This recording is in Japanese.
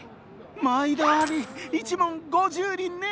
毎度あり１文５０厘ね。